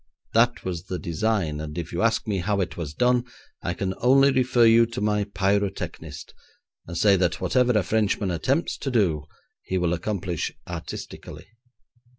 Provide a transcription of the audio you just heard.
That was the design, and if you ask me how it was done, I can only refer you to my pyrotechnist, and say that whatever a Frenchman attempts to do he will accomplish artistically.